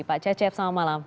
pak cecep selamat malam